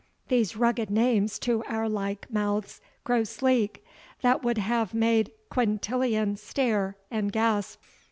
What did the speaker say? These rugged names to our like mouths grow sleek, That would have made Quintillian stare and gasp.